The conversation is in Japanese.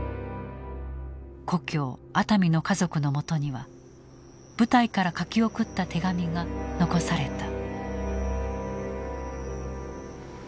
故郷熱海の家族のもとには部隊から書き送った手紙が残された。